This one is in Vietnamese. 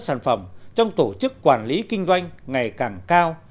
sản xuất sản phẩm trong tổ chức quản lý kinh doanh ngày càng cao